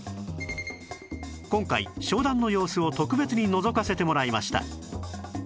今回商談の様子を特別にのぞかせてもらいました